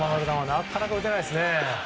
なかなか打てないですね。